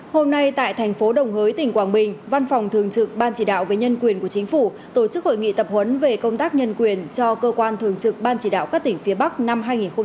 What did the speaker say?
hôm nay tại thành phố đồng hới tỉnh quảng bình văn phòng thường trực ban chỉ đạo về nhân quyền của chính phủ tổ chức hội nghị tập huấn về công tác nhân quyền cho cơ quan thường trực ban chỉ đạo các tỉnh phía bắc năm hai nghìn một mươi chín